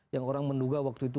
yang orang menduga waktu itu